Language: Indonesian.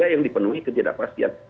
yang dipenuhi ketidakpastian